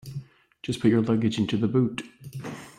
Just put your luggage into the boot